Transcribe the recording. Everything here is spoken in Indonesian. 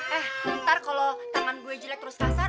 eh ntar kalau tangan gue jelek terus kasar